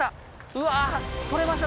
うわ取れました！